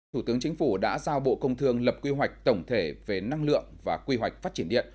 thủ tướng chính phủ đã giao bộ công thương lập quy hoạch tổng thể về năng lượng và quy hoạch phát triển điện